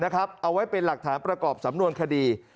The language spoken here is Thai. เอาไว้เป็นหลักฐานประกอบสำนวนคดี